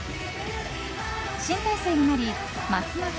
新体制になりますます